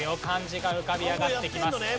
漢字が浮かび上がってきます。